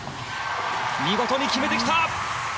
見事に決めてきた！